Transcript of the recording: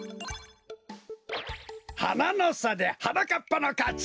はなのさではなかっぱのかち！